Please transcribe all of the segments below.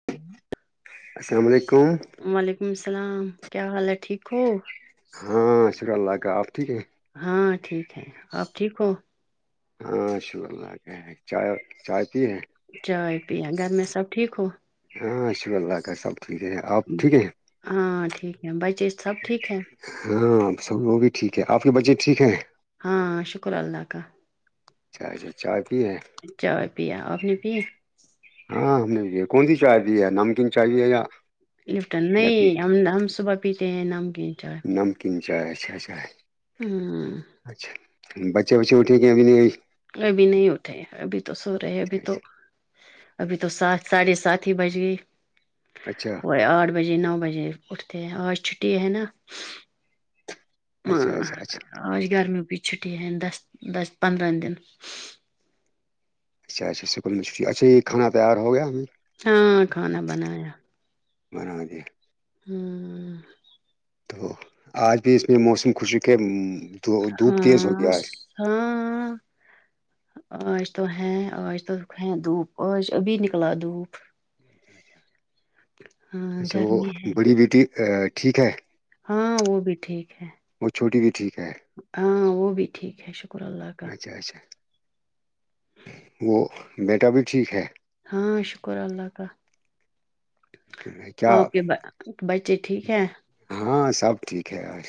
[unintelligible] السلام علیکم وعلیکم السلام کیا حال ہے ٹھیک ہو ہاں شکر اللہ کا آپ ٹھیک ہیں ہاں ٹھیک ہے آپ ٹھیک ہو ہاںشاء اللہ چائے چائے پی ہے چائے پیا گھر میں سب ٹھیک ہو ہاں اشونگلہ کا سپ ہیں ہاں ٹھیک ہے بھائی سب ٹھیک ہے ہاں سب وہ بھی ٹھیک ہے آپ کے بجے ٹھیک ہیں ہاں شکر اللہ کا اچھا اچھا چائے پی ہے [inaudible] ہاں ہمے کون سی چائے بھی ہے نمکین چائے بھی ہے یا لفٹن نہیں ہم ہم صبح پیتے ہیں نام کیٹ نمکین چائے اچھاھائے ہوں اچھا بچے اٹھے گے ہیں ابھی نہیں ابھی نہیں اٹھے ابھی تو سو رہے ابھی تو اچھا ابھی تو سات ساڑھے سات ہی بج گئی اچھا کو آٹھ بجے نو بجے اٹھتے ہیں آج چھٹی ہے نا اچھا اچھا آج گرمیوں کی چھٹی ہے دس دس پندرہ دن اچھا اچھا سکول میں چھٹی ہے اچھا یہ کھانا تیار ہو گیا ہمیں ہاں کھانا بنایا بنا دے ہاں ہوں تو آج بھی اس میں موسم خشی کے ہے دھوپ ہاں تیز ہو گیا آج ہاں ہاں آج تو ہے آج تو ہے دھوپ آج ابھی نکلا دھوپ اچھا ہاں اچھا وہ گرمی ہے بڑی بیٹی ٹھیک ہے ہاں وہ بھی ٹھیک ہے وہ چھوٹی بھی ٹھیک ہے ہاں وہ بھی ٹھیک ہے شکر اللہ کا اچھا وہ بیٹا بھی ٹھیک ہے ہاں شکر اللہ کا کیا ہاں آپ کے بچے ٹھیک ہے ہاں سب ٹھیک ہے اور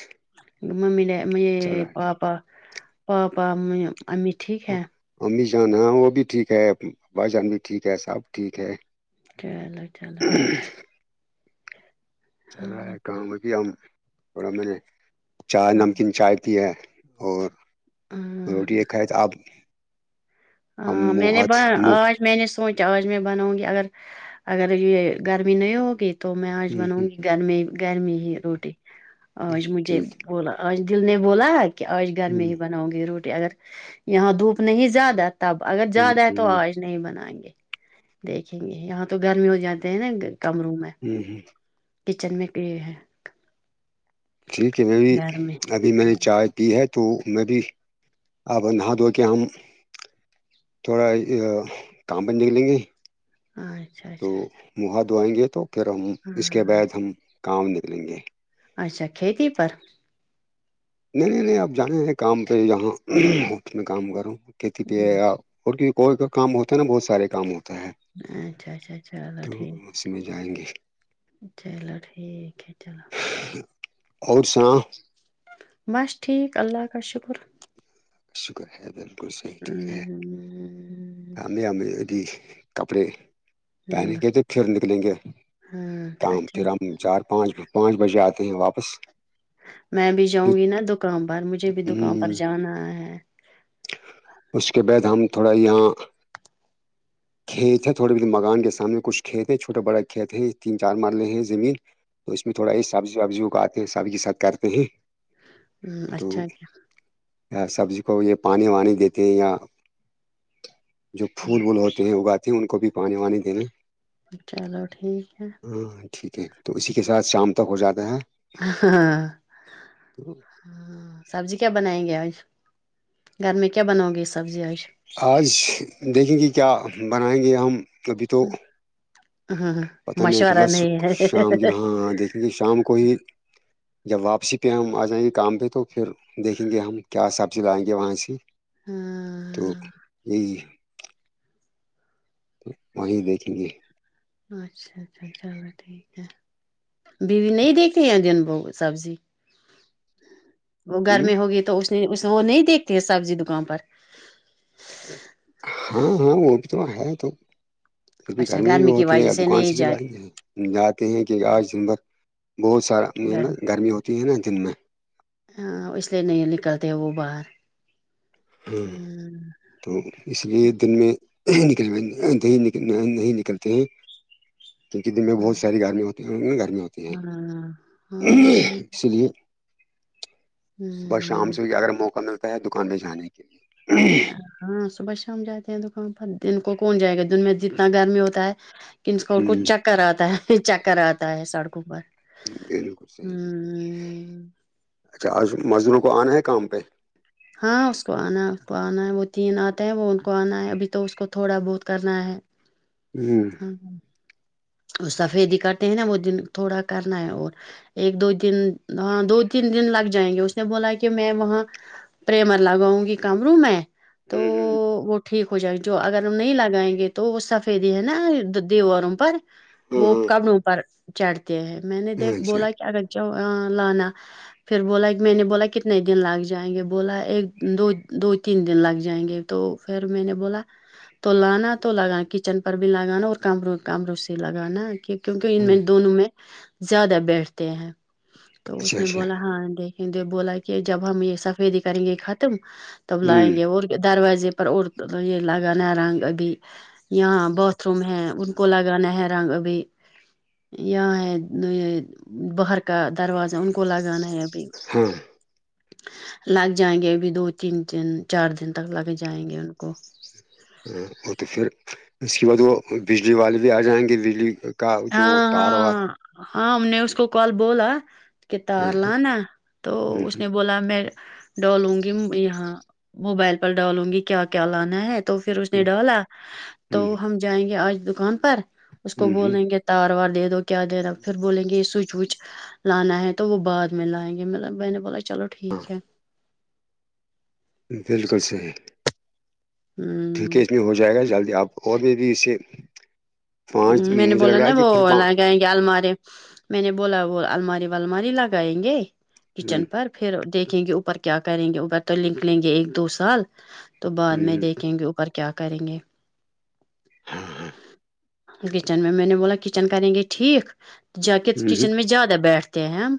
ممی لے مے پاپا پاپا امی ٹھیک ہے امی جان ہاں وہ بھی ٹھیک ہے بھائی جان بھی ٹھیک ہے سب ٹھیک ہے چلو چلو ہوں ہاں چل رہا ہے کام ابھی ہم تھوڑا میں نے چائے ہاں نمکین چائے پی ہے اور روٹی ہاں ایک کھائے تو آپ ہم ہاں، میں نے مہج بنا، مہ آج میں نے سوچا آج میں بناؤں گی اگر اگر یہ گرمی نہیں ہوگی تو میں آج ہوں، ہوں، بناؤں گی گرمی گرمی ہی روٹی ہوں، آج مجھے ٹھیک بولا آج دل نے بولا کہ آج گھر میں ہوں، ہی بنا گی روٹی اگر یہاں دھوپ نہیں زیادہ تب اگر ہوں، زیادہ ہے تو ہوں، آج نہیں بنائیں گے دیکھیں گے یہاں تو گرمی ہو جاتے ہیں نا کمروں میں ہوں کچن میں کی ہے ٹھیک ہے میں بھی ابھی میں نے چارج کی ہے تو میں بھی اب نہا دھو کے ہم تھوڑا کام پر نکلیں گے اچھا تو اچھا منہ دھوائئیں گے تو پھر ہم اس کے ہاں بعد ہم کام نکلیں گے اچھا کھیتی پر نہیں نہیں نہیں آپ جانے ہیں کام پہ جہاں میں کام کروں کھیتی پہ ہے اور کی کوئی کا کام ہوتا ہے نا بہت سارے کام ہوتا ہے اچھا اچھا چلو تو ٹھیک اس میں جائیں گے چلو ٹھیک ہے چلو اور سا بس ٹھیک اللہ کا شکر شکر ہے بالکل صحیح ٹھیک ہے ہم ہمم، ہم میں ہممیی کپڑے پہنے کے تھ پھر نکلیں گے ہاں تو اچھا ہے، پھر ہم چار پانچ پانچ بجے آتے ہیں واپس میں بھی پھر جاؤں گی نا دکان پر مجھے بھی دکان پر جانا ہے اس کے بعد ہم تھوڑا یہاں کھیت ہے تھوڑے ب مکان کے سامنے کچھ کھیت ہیں چوٹے بڑے کھیت ہیں تین چار مرلے ہیں زمین تو اس میں تھوڑا یہ سبزی وبزیوں کو آتے ہیں سب کے سات کرتے ہیں تو اچھا اچھا سبزی کو یہ پانی وانی دیتے ہیں یا جو پھول وول ہوتے ہیں اگاتے ہیں ان کو بھی پانی وانی دیننے چلو ٹھیک ہے ہاں ٹھیک ہے تو اسی کے ساتھ شام تک ہو جاتا ہے ہاں تو ہاں سبزی کیا بنائیں گے آش گھر میں کیا بنؤ گی سبزی آش آج دیکھیں گے کیا بنائیں گے ہم کبھی تو ہاں پتہ نہیں مشورہ پہلا نہیں ہے شام کی وہاں دیک کیونکہ شام کو ہی جب واپسی پہ ہم آ جائیں گے کام پہ تو پھر دیکھیں گے ہم کیا سبزی لائیں گے وہاں سے تو ہاں یہی تو وہیں دیکھیں گے اچھا اچھا چلو ٹھیک ہے بیوی نہیں دیکھھی ہیں جن وہ سبزی وہ ہ گرمی ہوگی تو اس اس وہ نہیں دیکھتے ہے سبزی دکان پر ہاں ہاں وہ بھی تو ہے تو پھر بھی گھر اچھا میں بھی گرمی کی ہوتے وجہ ہیں دکان نہیں سے بھی ل جاتی ہیں جاتے ہیں کہ آجمبھر بہت سارا م گھر نا میں، گرمی ہوتی ہے نا دن میں اس لیے نہیں نکلتے ہیں وہ باہر ہوں تو ہمم اس لیے دن میں نکل د نہیں نکلتے ہیں کیونکہ دن میں ہاں بہت ساری گرمی ہوتی ہیں گرمی ہوتی ہیں ہاں ہاں ڈر اس لیے صبح شام ہاں سے بھی اگر موقع ملتا ہے دکان میںہ جانے کے لیے ہاں صبح شام جاتے ہیں دکان پر دن کو کون جائے گا دن میں جتنا گرمی ہوتا ہے کنس کو کچ ہ چکر آتا ہے چکر آتا ہے سڑکوں پر بالکل صحیح ہمم اچھا آ مزدوروں کو آنا ہے کام پہ ہاں اس کو آنا ہے اس کو آنا ہے وہ تین آتے ہیں وہ ان کو آنا ہے ابھی تو اس کو تھوڑا بہت کرنا ہے جی ہوں ہاں سفیدی کرتے ہیں نا وہ دن تھوڑا کرنا ہے اور ایک دو دن ہاں دو تین دن لگ جائیں گے اس نے بولا کہ میں وہاں پریمر لگاؤں گی کمرو میں تو ہ وہ ٹھیک ہو جائے گا جو اگر ہم نہیں لگائیں گے تو وہ سفیدی ہے نا دی اور ا پر وہ ہ کپڑوں پر چڑھتے ہیں میں نے ہ دیکھ اچھا بولا کیا اگرہ لانا پھر بولا ایک میں نے بولا کتنے دن لگ جائیں گے بولا ایک دو دو تین دن لگ جائیں گے تو پھر میں نے بولا تو لانا تو لگانا کچن پر بھی لگانا اور کمروں کمروں سے لگا نا کہ کیونکہ ان میں دونوں میں زیادہ بیٹھتے ہیں تو اس اچھا نے اچھا بولا ہاں دیکھیںے بولا کہ جب ہم یہ سفیدی کریں گے ختم تب لائیں ہوں گے اور دروازے پر اور یہ لگاانا رنگ ابھی یہ باتھ روم ہے ان کو لگا لگان ہے رنگ ابھی یہاں ہے یہ باہر کا دروازہ ان کو لگانا ہے ابھی ہاں لگ جائیں گے ابھی دو تین دن چار دن تک لگ جائیں گے ان کو ہاں وہ تو پھر اس کے بعد وہ بجلی والے بھی آ جائیں گے بجلی کا جو ہاں تاروا ہاں ہاں ہم نے اس کو کال بولا کہ ہاں تار ہاں لانا تو اس ہوں نے بولا میں ڈالوں گی یہاں موبائل پر ڈالوں گی کیا کیا لانا ہے تو پھر اس نے ڈالا تو ہوں ہوں ہم جائیں گے آج دکان پر اس کو ہوں ہوں بولیں گے تار وار دے دو کیا دےینا پھر بولیں گے یہ سوئچ وچ لانا ہے تو وہ بعد میں لائیں گے مب ب نے بولا چلو ہاں ٹھیک ہے بالکل صحیح ہمم دکیج میں ہو جائے گا جلدی آپ اور میں بھی اسے پانچ میں نے مجھے بولا لگ رہا نا ہے کہ وہ پھر ل پانچ گائےیں گے آمارے میں نے بولا وہ الماری والماری لگائیں گے کچن ہوں پر پھر دیکھیں گے اوپر کیا کریں گے اوپر تو لک لیں گے ایک دو سال تو بعد میں ہوں دیکھیں گے اوپر کیا کریں گے ہاں ہاں کچن میں میں نے بولا کچن کریں گے ٹھیک جا کے ہوں کچن میں زیادہ بیٹھتے ہیں ہم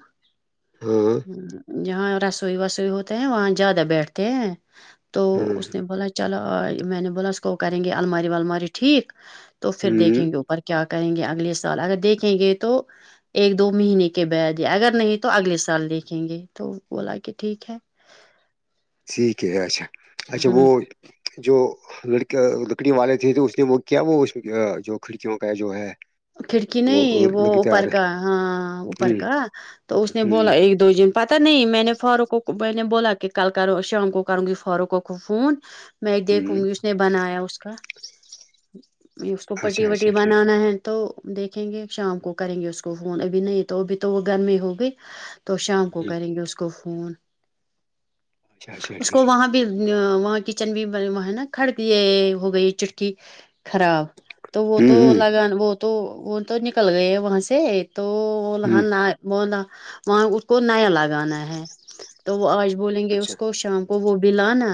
ہاں جہاں رسوئی وسوئی ہوتے ہیں وہاں زیادہ بیٹھتے ہیں تو ہاں اس نے بولا چلو میں نے بولس کو کریں گے الماری والماری ٹھیک تو پھر دیکھ ہوں ور کیا کریں گے اگلے سوال اگر دیکھیں گے تو ایک دو مہینے کے بید ہے اگر نہیں تو اگلے سال دیکھیں گے تو بولا کہ ٹھیک ہے ٹھیک ہے اچھا اچھا وہ ہوں جو لکی لکڑی والے تھے تو اس نے وہ کیا وہ جو کھڑکیوں کا جو ہے کھڑکی نہیں وہ اوپر کا ہاں اوپر ہوں کا تو اس نے ہوں بولا ایک دو جن پتہ نہیں میں نے فاروق کو کو میں نے بولا کہ کل کروں شام کو کروں گی فاروق و کو فون میں ایک دیکھوں ہوں گی اس نے بنایا اس کا اس کو اچھا پٹی وٹی اچھا ٹھیک بنانا ہے تو دیکھیں گے شام کو کریں گے اس کو فون ابھی نہیں تو ابھی تو وہ گرمی ہوگئی تو شام کو کریں گے اس کو فون اچھا اچھا اس ٹھیک کو ہے وہاں بھی وہاں کچن بھی وہ ہے نا کھڑ یہ ہو گئی چٹکی خراب تو وہ تو ہوں ہوں لگان وہ تو وہ تو نکل گئے وہاں سے تو ہوں لاں نہ بولا وہاں اس کو نیا لگانا ہے تو وہ آج بولیں گے اس اچھا کو شام وہ وہ بلاانا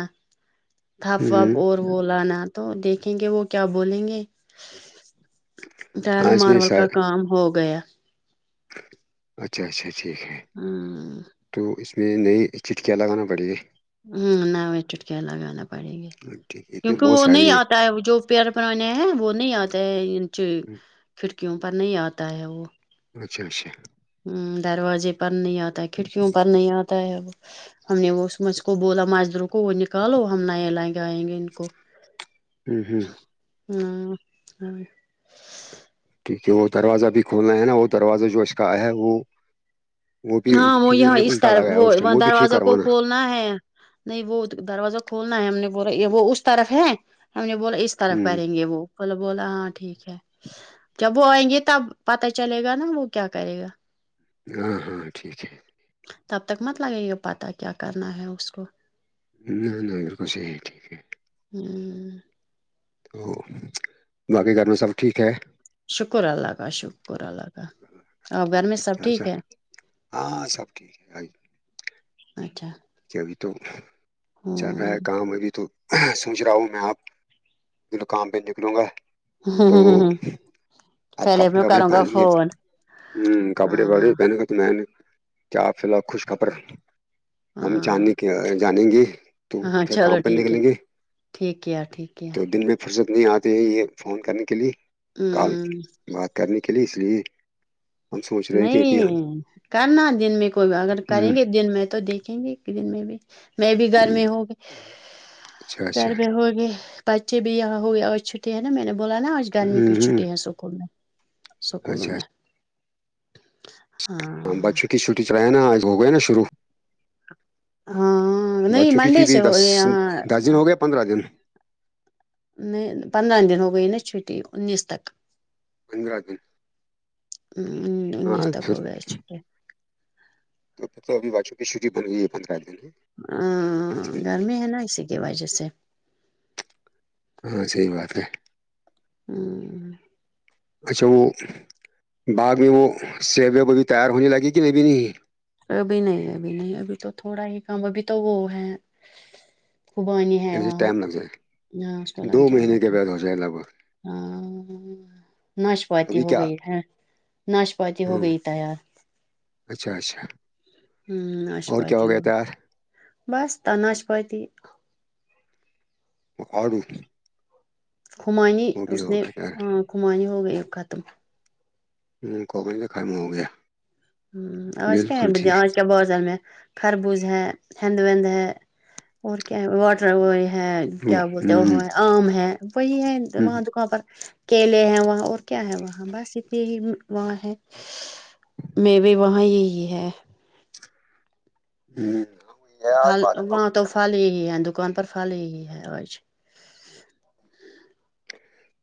تھپ ہوں واپ ہوں اور وہ لانا تو دیکھیں گے وہ کیا بولیں گے فیل ہاں اس میں مارول کا سار کام ہو گیا اچھا اچھا ٹھیک ہے ہاں تو اس میں نئی چٹکیاں لگانا پڑیں گی ہنویں چٹکیا لگانا پڑیں گے ٹھیک ہے اس میں کیونکہ بہت وہ نہیں ساری آتا ہے جو پیار بنانے ہیں وہ نہیں آتے ہے کھڑکیوں پر نہیں آتا ہے وہ اچھا اچھے دروازے پر نہیں آتا ہے کھڑکیوں پر نہیں آتا ہے اب ہم نے وہ سمجھ کو بولا مزدر کو وہ نکالو ہم نئے لائن گ آئیں گے ان کو ہوں ہوں ہاں ٹھیک ہے وہ دروازہ بھی کھولنا ہے نا وہ دروازہ جو اس کا ہے وہ وہ بھی ہاں وہ الٹا لگایا اس ٹائم وہ بھی ٹھیک کروانا نا ہے نہیں وہ دروازہ کھولنا ہے ہم نے بولا وہ اس طرف ہے ہم نے بولا اس طرف ہوں کریں گے وہ بول بول ہاں ٹھیک ہے جب وہ آئیں گے تب پتا چلے گا نا وہ کیا کرے گا ہاں ہاں ٹھیک ہے تب تک مت لگے یہ پتا کیا کرنا ہے اس کو نہ نہ ایر کس ہے ٹھیک ہے ہوں تو باقی گھر میں سب ٹھیک ہے شکر اللہ کا شکر اللہ کا اور گھر میں ٹھیک ہے سب کیا چل ٹھیک ہے ہاں سب ٹیک ہے آئی اچھا چچب تو چل ہاں ہے کام ابھی تو سوچ رہا ہوں میں آپ کام پہ نکلوں گا ہاں تو ہاں ہاں ہاں آپ کپڑے وپڑے پہنیں گے ہ کپڑے ہاں وپڑے پہن میں کیاپ فی الحال خوش خبر ہم ہاں جاننے کے جانیں گے تو ہاں کیا چلو کام پر ٹھیک ہے نکلیں گے ٹھیک کیا ٹھیک کیا تو دن میں فرصت نہیں آتے ہیں یہ فون کرنے کے لیے کال ہمم بات کرنے کے لیے اس لیے ہم سوچ رہے کہ ابھی ہم نہیں کرنا دن میں کوئی اگر کریں گے ہ دن میں تو دیکھیں گے ایک دن میں بھی میں بھی گرمی ہوگی اچھا اچھا گھر میں ہوگئے بچے بھی یہ ہوئی آج چھٹی ہے نا میں نے بولا نا آج گرمی ہ کی ہ چھٹی ہے اسکول میں سکوں اچھا میں اچھا ہاں بس چھٹی چھٹی چ رہ ہے نا آج ہو گیا نا شرو ہاں بہت نہیں چوکی چ منڈے بھی سے ہو دس یہاں دس دن ہو گیا پندرہ دن نہیں پندرہ دن ہو گئی نا چھٹی انیس تک پندرہ دن ہاں انیس پھر ہو رہ ای کہ تو پھر تو ابھی واچوں کی چھٹی بن ہوئی ہے پندرہ دن ہے گرمی ہے نا اسی کی وجہ سے ہاں صحیح بات ہے ہوں اچھا وہ باغ میں وہ سیبوں کو ابھی تیار ہونے لگے کہ ابھی نہیں ابھی نہیں ابھی نہیں ابھی تو تھوڑا ہی کام ابھی تو وہ ہے خوب آ نہیں ہے سے وہاںاں ٹائم لگ جائے نہ تو لگ دو جائے مہینے گاٹ کے بعد ہو جائے لگ بھگ ہاں ناشپاتی ابھی ہو کیا گئی ہے ناش جی ہو ہاں گئی تیار اچھا اچھا ہوں اور ناشپات کیا ہو گیا تیار بس ت ناشپات وہ آڈو خمانی اس نے گیا ہ تیار خھمانی ہو گئی ختم ہوں کوگ سے خرم ہو گیا آج کیا ہے بالکل بیا ٹھیک آج کیا بازال میں خربوز ہے ہند وند ہے اور کیا ہے وہ ہے کیا بولتے وہ آم ہے وہی ہے وہاں دکاں پر کیلے ہیں وہاں اور کیا ہے وہاں بس اتنے ہی وہاں ہے میوی وہاں یہی ہے ہوں پھل وہاں تو پھل ہی ہی ہے دکان پر پھل ہی ہے آج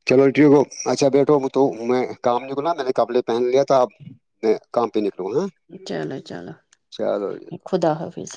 چلو ٹھیک ہو اچھا بیٹو تو میں کام نہیں کرنا میں نے کپڑے پہن لیا تھا اب میں کام پہ نکلوں گا چلو چلو خدا حافظ